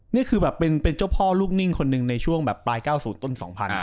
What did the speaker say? นี่คือแบบเป็นเจ้าพ่อลูกนิ่งคนหนึ่งในช่วงแบบปลาย๙๐ต้น๒๐๐